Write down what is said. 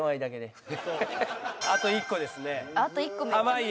あと１個ですね濱家。